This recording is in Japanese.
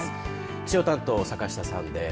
気象担当、坂下さんです。